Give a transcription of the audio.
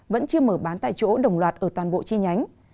vẫn chưa mở bán tại chỗ đồng loạt ở toàn bộ chi nhánh